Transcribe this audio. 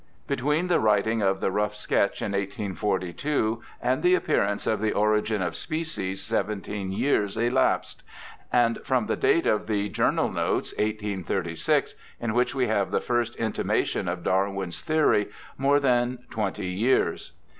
Between the writing of the rough sketch in 1842 and the appearance of the Origin of Species seventeen years elapsed ; and from the date of the journal notes, 1836, in which we have the first intimation of Darwin's theory, more than twenty years.